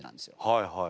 はいはい。